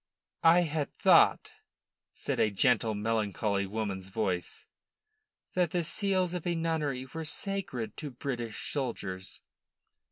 "I had thought," said a gentle, melancholy woman's voice, "that the seals of a nunnery were sacred to British soldiers."